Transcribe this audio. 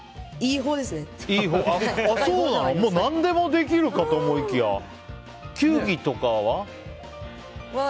何でもできるかと思いきや球技とかは？